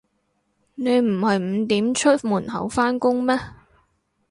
你唔係五點出門口返工咩